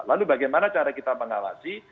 lalu bagaimana cara kita mengawasi